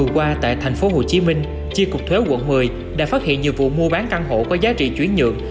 qua tại tp hcm chi cục thuế quận một mươi đã phát hiện nhiều vụ mua bán căn hộ có giá trị chuyển nhượng